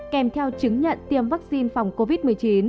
kèm theo chứng nhận tiêm vaccine phòng covid một mươi chín